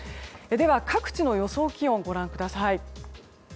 では、各地の予想気温ご覧ください。